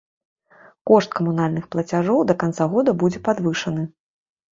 Кошт камунальных плацяжоў да канца года будзе падвышаны.